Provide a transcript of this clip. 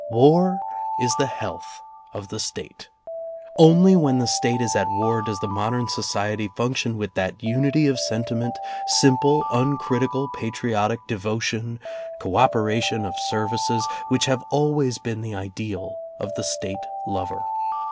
War is the health of the State. Only when the State is at war does the modern society function with that unity of sentiment, simple uncritical patriotic devotion, cooperation of services, which have al ways been the ideal of the State lover.